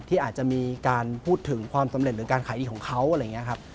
ที่อาจจะมีการพูดถึงความสำเร็จหรือการขายอีกของเค้า